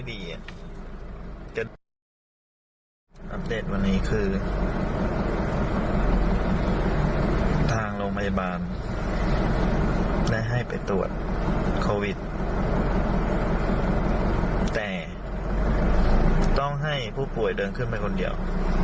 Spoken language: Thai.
เพิ่งว่าจะเป็นคนเดียว